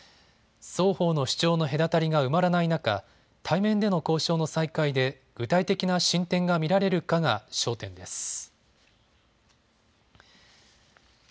双方の主張の隔たりが埋まらない中、対面での交渉の再開で具体的な進展が見られるかが焦点です。